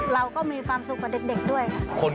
เราก็มีความสุขกับเด็กด้วยค่ะ